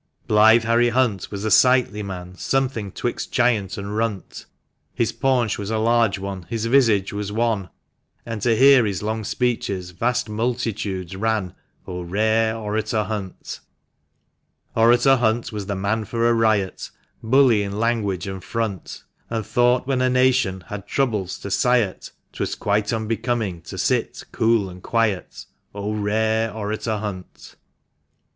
Blithe Harry Hunt was a sightly man Something 'twixt giant and runt ; His paunch was a large one, his visage was wan, And to hear his long speeches vast multitudes ran, O rare Orator Hunt ! VI. Orator Hunt was the man for a riot — Bully in language and front — And thought when a nation had troubles to sigh at, 'Twas quite unbecoming to sit cool and quiet, 0 rare Orator Hunt